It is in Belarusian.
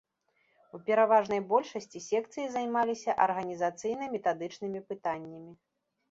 У пераважнай большасці секцыі займаліся арганізацыйна-метадычнымі пытаннямі.